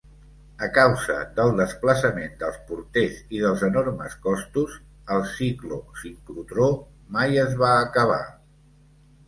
A causa del desplaçament dels porters i dels enormes costos, el ciclo-sincrotró mai es va acabar.